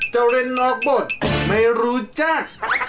เจ้าเล่นนอกบทไม่รู้จัก